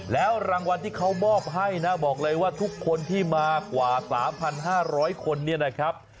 แล้วรางวัลที่เขามอบให้นะบอกเลยว่าทุกคนที่มากว่า๓๕๐๐คนเนี่ยนะครับ